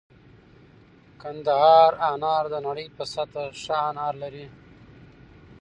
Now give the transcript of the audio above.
کندهار انار د نړۍ په سطحه ښه انار لري